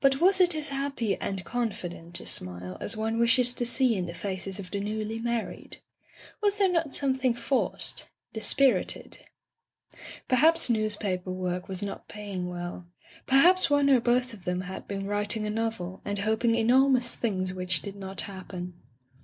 But was it as happy and con fident a smile as one wishes to see in the faces of the newly married ? Was there not something forced — dispirited ? Perhaps newspaper work was not paying well; perhaps one or both of them had been writing a novel, and hoping enormous things which did not happen.